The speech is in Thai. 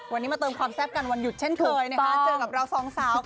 วันนี้มาเติมความแซ่บกันวันหยุดเช่นเคยนะคะเจอกับเราสองสาว